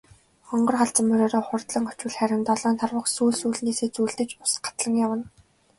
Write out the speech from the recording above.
Хонгор халзан мориороо хурдлан очвол харин долоон тарвага сүүл сүүлнээсээ зүүлдэж ус гатлан явна.